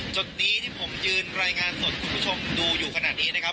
จุดนี้ที่ผมยืนรายงานสดคุณผู้ชมดูอยู่ขนาดนี้นะครับ